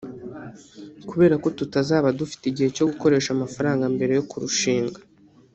kubera ko tutazaba dufite igihe cyo gukorera amafaranga mbere yo kurushinga